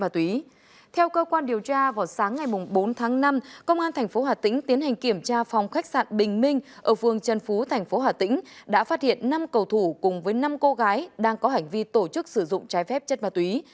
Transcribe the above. theo cơ quan điều tra vào sáng ngày bốn tháng năm công an tp hà tĩnh tiến hành kiểm tra phòng khách sạn bình minh ở phương trần phú thành phố hà tĩnh đã phát hiện năm cầu thủ cùng với năm cô gái đang có hành vi tổ chức sử dụng trái phép chất ma túy